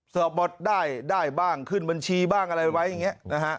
บทได้ได้บ้างขึ้นบัญชีบ้างอะไรไว้อย่างนี้นะฮะ